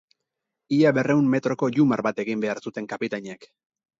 Ia berrehun metroko yumar bat egin behar zuten kapitainek.